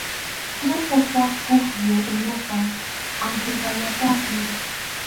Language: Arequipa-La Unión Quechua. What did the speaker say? Kimsa kaq pukyu unuqa Anhilpañataqmi.